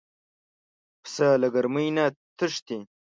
پسه له ګرمۍ نه تښتي.